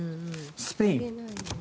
スペイン。